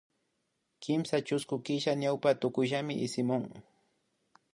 Kimsa chusku killa ñawpa tukuyllami ismun